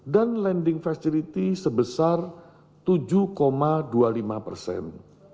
dan lending facility sebesar tujuh dua puluh lima persen